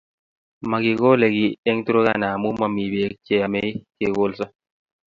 Makikole kiy eng' Turakana amu mamii peek che yemei kekolso